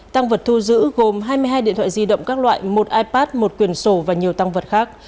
tăng vật thu giữ gồm hai mươi hai điện thoại di động các loại một ipad một quyển sổ và nhiều tăng vật khác